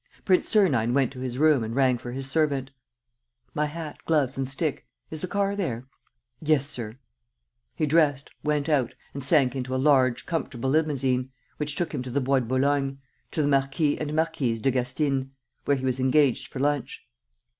Prince Sernine went to his room and rang for his servant: "My hat, gloves, and stick. Is the car there?" "Yes, sir." He dressed, went out, and sank into a large, comfortable limousine, which took him to the Bois de Boulogne, to the Marquis and Marquise de Gastyne's, where he was engaged for lunch.